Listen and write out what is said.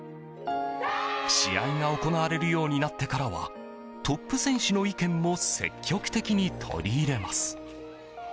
試合が行われるようになってからはトップ選手の意見も積極的に取り入れます。